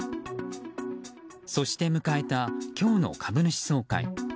そして迎えた今日の株主総会。